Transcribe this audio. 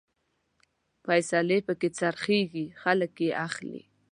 فیصلې پکې خرڅېږي، خلک يې اخلي